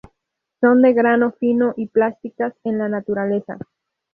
Son de grano fino y plásticas en la naturaleza.